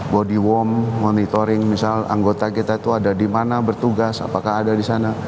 body warm monitoring misal anggota kita itu ada di mana bertugas apakah ada di sana